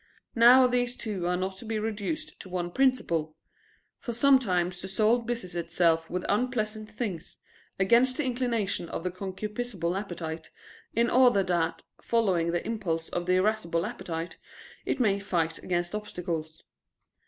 Now these two are not to be reduced to one principle: for sometimes the soul busies itself with unpleasant things, against the inclination of the concupiscible appetite, in order that, following the impulse of the irascible appetite, it may fight against obstacles.